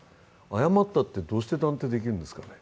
誤ったって、どうして断定できるんですかね。